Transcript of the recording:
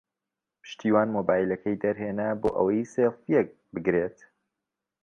پشتیوان مۆبایلەکەی دەرهێنا بۆ ئەوەی سێڵفییەک بگرێت.